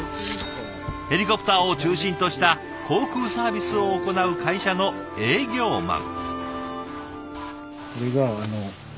ヘリコプターを中心とした航空サービスを行う会社の営業マン。